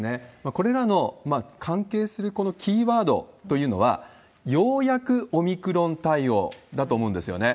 これらの関係するこのキーワードというのは、ようやくオミクロン対応だと思うんですよね。